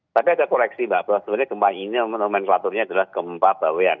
tapi ada koreksi mbak bahwa sebenarnya gempa ini nomenklaturnya adalah gempa bawean